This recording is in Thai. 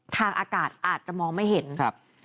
ทางอากาศอาจจะมองไม่เห็นครับ